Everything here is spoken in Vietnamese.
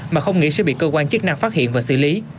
mà không nghĩ sẽ bị cơ quan chức năng phát hiện và xử lý